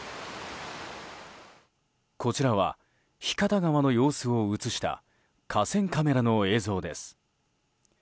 こちらは、日方川の様子を映した河川カメラの映像です。